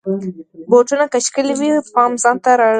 بوټونه که ښکلې وي، پام ځان ته را اړوي.